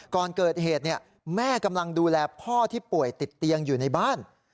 ก่อนเกิดเหตุแม่กำลังดูแลพ่อที่ป่วยติดเตียงอยู่ในบ้าน